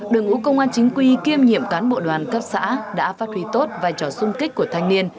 đồng ngũ công an chính quy kiêm nhiệm cán bộ đoàn cấp xã đã phát huy tốt vai trò sung kích của thanh niên